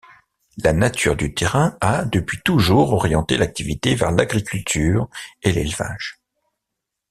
La nature du terrain a depuis toujours orienté l’activité vers l’agriculture et l’élevage.